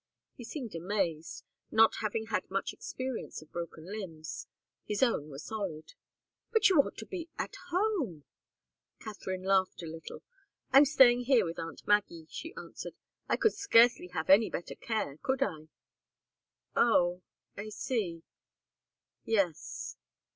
He seemed amazed, not having had much experience of broken limbs his own were solid. "But you ought to be at home " Katharine laughed a little. "I'm staying here with aunt Maggie," she answered. "I could scarcely have any better care, could I?" "Oh I see. Yes."